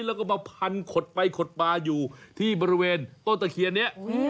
แล้วก็มาพันขดไปขดมาอยู่ที่บริเวณต้นตะเคียนนี้